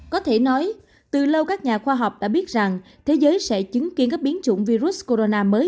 có thể nói từ lâu các nhà khoa học đã biết rằng thế giới sẽ chứng kiến các biến chủng virus corona mới